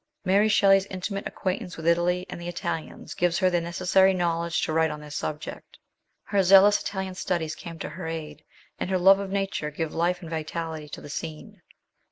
Mary Shelley's intimate acquaintance with Italy and Italians gives her the necessary knowledge to write on this subject. Her zealous Italian studies came to her aid, and her love of nature give life and vitality to the scene.